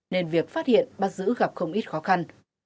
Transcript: nên việc phát hiện bắt giữ gặp không ít khó khăn